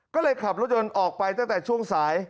ก็เลยขับรถยนต์ออกไปตั้งแต่ช่วงสาย